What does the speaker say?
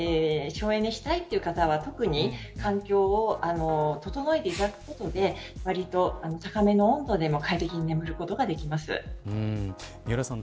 省エネしたいという方は特に環境を整えていただくことでわりと高めの温度でも三浦さん